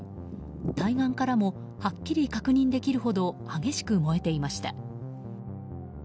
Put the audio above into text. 対岸からもはっきり確認できるほど激しく燃えていました。